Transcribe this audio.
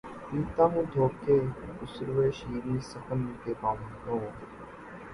پیتا ہوں دھو کے خسروِ شیریں سخن کے پانو